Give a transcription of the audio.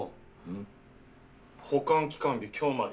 ん？保管期間日今日まで。